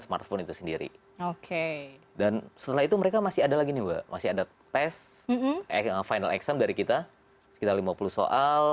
dan setelah itu mereka masih ada lagi nih mbak masih ada final exam dari kita sekitar lima puluh soal